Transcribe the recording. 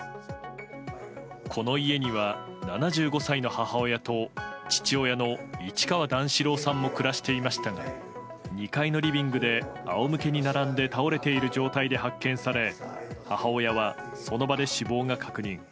この家には７５歳の母親と父親の市川段四郎さんも暮らしていましたが２階のリビングで仰向けに並んで倒れている状態で発見され母親はその場で死亡が確認。